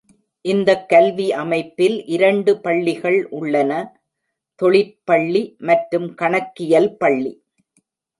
இந்தக் கல்வி அமைப்பில் இரண்டு பள்ளிகள் உள்ளன: தொழிற்பள்ளி மற்றும் கணக்கியல் பள்ளி.